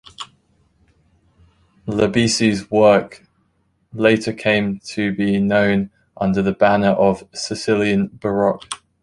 Labisi's work later came to be known under the banner of Sicilian Baroque.